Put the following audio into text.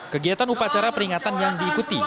kegiatan upacara peringatan yang diikuti